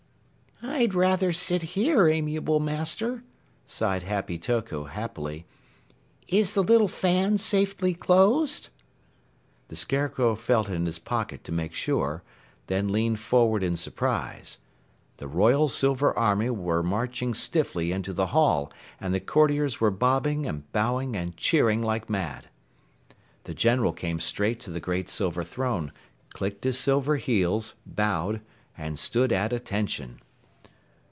"I'd rather sit here, amiable Master," sighed Happy Toko happily. "Is the little fan safely closed?" The Scarecrow felt in his pocket to make sure, then leaned forward in surprise. The Royal Silver Army were marching stiffly into the hall, and the courtiers were bobbing and bowing and cheering like mad. The General came straight to the great silver throne, clicked his silver heels, bowed, and stood at attention.